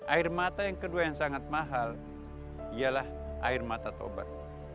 air mata yang kedua yang sangat mahal ialah air mata taubat